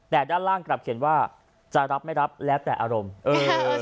แต่ด้านล่างกลับเขียนว่าจะรับไม่รับแล้วแต่อารมณ์เออ